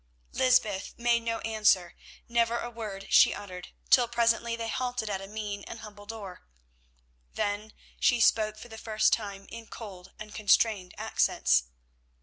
Lysbeth made no answer, never a word she uttered, till presently they halted at a mean and humble door. Then she spoke for the first time in cold and constrained accents.